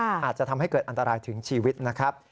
อาจจะทำให้เกิดอันตรายถึงชีวิตนะครับ